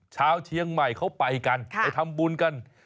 ชาวเชียงใหม่เขาไปกันไปทำบุญกัน